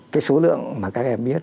cái số lượng mà các em biết